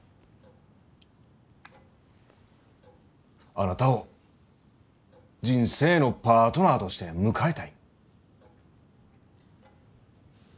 あなたを人生のパートナーとして迎えたい。